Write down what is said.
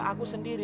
tidak aku sendiri